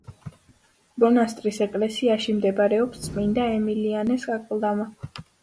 მონასტრის ეკლესიაში მდებარეობს წმინდა ემილიანეს აკლდამა.